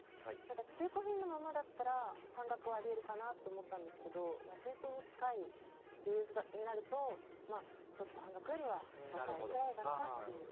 中古品のままだったら半額はあり得るかなと思ったんですけど新品に近いリユースになるとちょっと半額よりは高いくらいかなっていう。